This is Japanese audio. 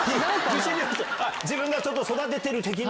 自分がちょっと育ててる的な。